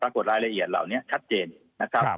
กฎรายละเอียดเหล่านี้ชัดเจนนะครับ